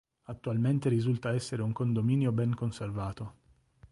Attualmente risulta essere un condominio ben conservato.